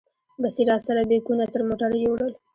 بصیر راسره بیکونه تر موټره یوړل.